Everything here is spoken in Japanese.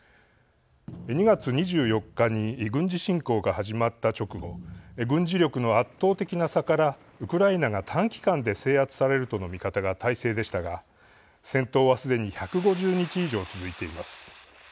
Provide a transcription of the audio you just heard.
２月２４日に軍事侵攻が始まった直後軍事力の圧倒的な差からウクライナが短期間で制圧されるとの見方が大勢でしたが戦闘は、すでに１５０日以上続いています。